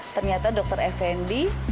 ternyata dokter fmi